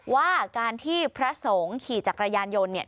ว่าการที่พระสงฆ์ขี่จักรยานยนต์เนี่ย